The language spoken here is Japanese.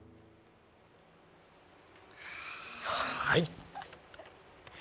はい。